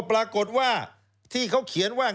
ปรากฏว่าที่เขาเขียนว่า